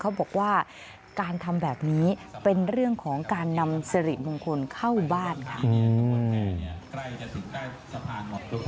เขาบอกว่าการทำแบบนี้เป็นเรื่องของการนำสิริมงคลเข้าบ้านค่ะ